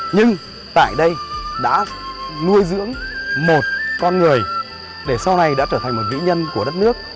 nhưng tại đây đã nuôi dưỡng một con người để sau này đã trở thành một vĩ nhân của đất nước